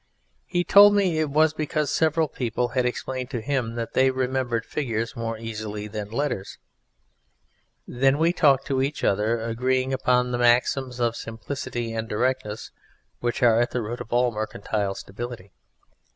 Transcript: He told me it was because several people had explained to him that they remembered figures more easily than letters. We then talked to each other, agreeing upon the maxims of simplicity and directness which are at the root of all mercantile stability.